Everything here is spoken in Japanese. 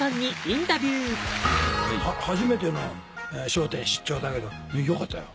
初めての『笑点』出張だけどよかったよ。